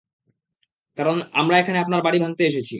কারন, আমরা এখানে আপনার বাড়ি ভাঙতে এসেছি।